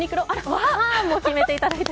ターンも決めていただいて。